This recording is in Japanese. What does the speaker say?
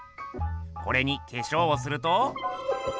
これに化粧をすると。